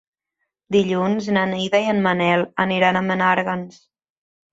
Dilluns na Neida i en Manel aniran a Menàrguens.